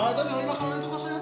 nah itu itu itu itu kaset